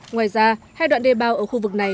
ngoài ra hai đoạn đê bao ở khu vực này